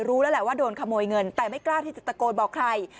รู้แล้วแหละว่าโดนขโมยเงินแต่ไม่กล้าที่จะตะโกนบอกใคร